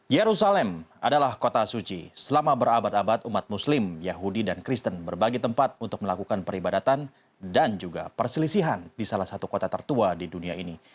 yerusalem adalah kota suci selama berabad abad umat muslim yahudi dan kristen berbagi tempat untuk melakukan peribadatan dan juga perselisihan di salah satu kota tertua di dunia ini